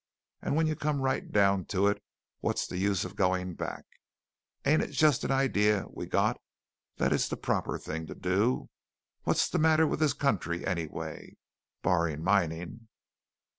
"And when you come right down to it, what's the use of going back? Ain't it just an idee we got that it's the proper thing to do? What's the matter with this country, anyway barring mining?"